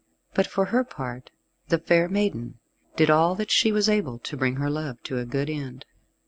But for her part the fair maiden did all that she was able to bring her love to a good end.